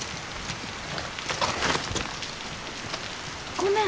ごめん。